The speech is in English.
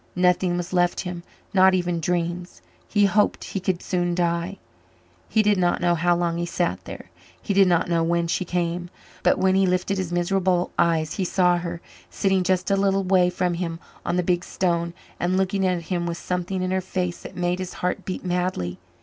Nothing was left him, not even dreams. He hoped he could soon die. He did not know how long he sat there he did not know when she came. But when he lifted his miserable eyes, he saw her, sitting just a little way from him on the big stone and looking at him with something in her face that made his heart beat madly.